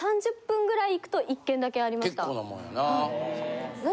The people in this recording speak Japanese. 結構なもんやな。